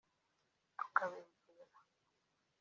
tukabegera